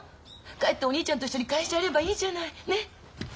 帰ってお兄ちゃんと一緒に会社やればいいじゃない。ね？